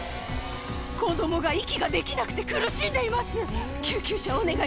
子どもが息ができなくて苦しんでいます。